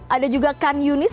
ada juga kan yunis